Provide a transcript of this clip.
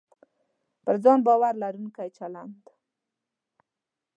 پر ځان باور لرونکی چلند